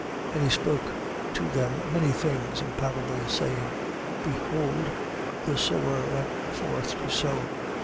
13:3. And he spoke to them many things in parables, saying: Behold the sower went forth to sow.